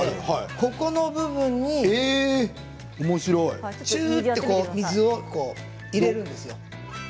ここの部分にじゅーっと水を入れるんですよ。